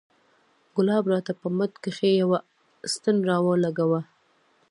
ګلاب راته په مټ کښې يوه ستن راولګوله.